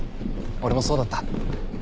俺もそうだった。